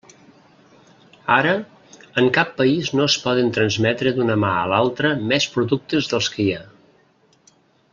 Ara, en cap país no es poden transmetre d'una mà a l'altra més productes dels que hi ha.